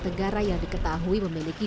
negara yang diketahui memiliki